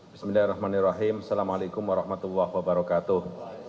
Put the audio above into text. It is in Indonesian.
bismillahirrahmanirrahim assalamu'alaikum warahmatullahi wabarakatuh